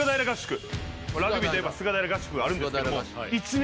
ラグビーといえば菅平合宿があるんですけども。